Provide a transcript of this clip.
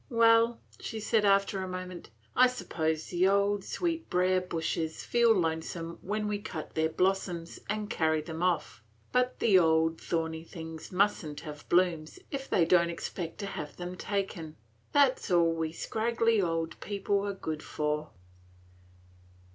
Well," said she, after a moment, "I suppose the old sweetbrier bushes feel lonesome when we cut their blossoms and carry them off; but the old thorny things must n't have blossoms if they don't expect to have them taken. That 's all we scraggly old people are good for."